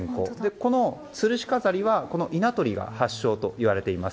このつるし飾りは、稲取が発祥といわれています。